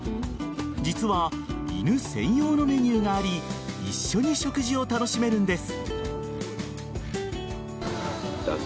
実は、犬専用のメニューがあり一緒に食事を楽しめるんです。